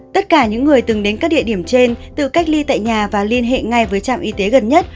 tất cả những người từng đến các địa điểm trên tự cách ly tại nhà và liên hệ ngay với trạm y tế gần nhất